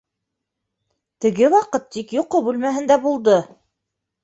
Теге ваҡыт тик йоҡо бүлмәһендә булды...